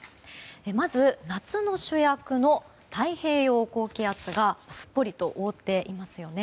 まず、夏の主役の太平洋高気圧がすっぽりと覆っていますよね。